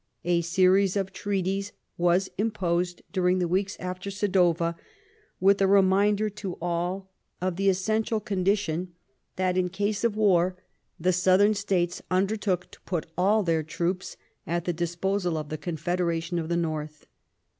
A series of treaties was imposed during the weeks after Sadowa, with a reminder to all of the essential condition that, in 104 Sadowa case of war, the Southern States undertook to put all their troops at the disposal of the Confederation of the North.